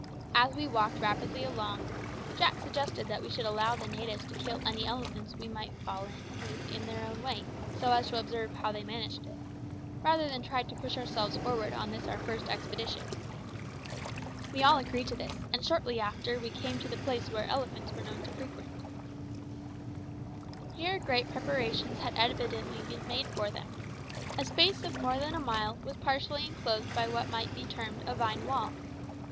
As we walked rapidly along, Jack suggested that we should allow the natives to kill any elephants we might fall in with in their own way, so as to observe how they managed it, rather than try to push ourselves forward on this our first expedition. We all agreed to this, and shortly after we came to the place which elephants were known to frequent. Here great preparations had evidently been made for them. A space of more than a mile was partially enclosed by what might be termed a vine wall.